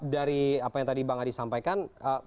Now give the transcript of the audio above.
dari apa yang tadi bang adi sampaikan